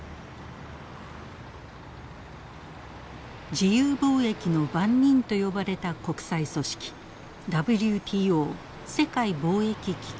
自由貿易の番人と呼ばれた国際組織ＷＴＯ世界貿易機関。